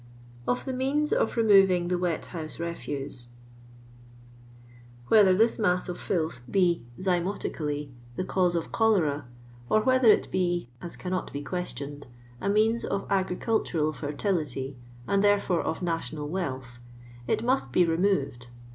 Of THi Means of Rehoying the Wei HOVSS SEFUBE. Whether this mass of filth be, zymotically, the cause of cholera, or whether it be (as cannot be be questioned) a means of affricultural fertility, and therefore of national wedth, it mutt be re moved.